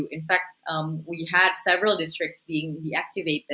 kita punya beberapa distrik yang diaktifkan